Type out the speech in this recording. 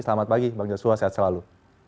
selamat pagi bang joshua sehat selalu